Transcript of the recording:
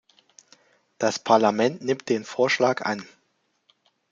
Das Parlament nimmt den Vorschlag an.